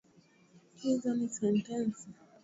Hizo ni sentensi